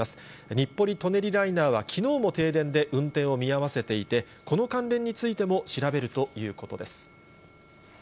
日暮里・舎人ライナーはきのうも停電で運転を見合わせていて、この関連についても調べるということです。